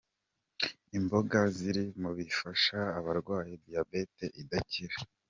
Imboga ziri mu bifasha abarwaye diyabeti idakira